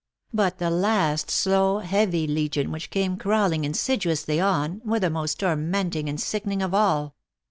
But the last slow, heavy legion which came crawling insidiously on, were the most tormenting and sickening of all.